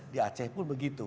di aceh pun begitu